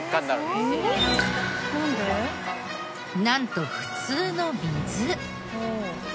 なんと普通の水！